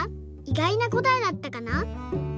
いがいなこたえだったかな？